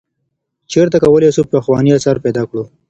چیرته کولای سو پخوانی آثار پیدا کړو؟